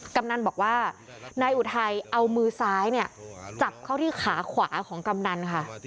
กำนันบอกว่านายอุทัยเอามือซ้ายเนี่ยจับเข้าที่ขาขวาของกำนันค่ะ